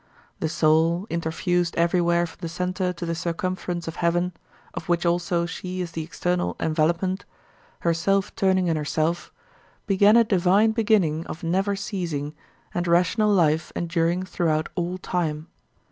The soul, interfused everywhere from the centre to the circumference of heaven, of which also she is the external envelopment, herself turning in herself, began a divine beginning of never ceasing and rational life enduring throughout all time.